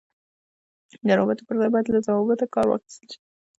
د روابطو پر ځای باید له ضوابطو کار واخیستل شي.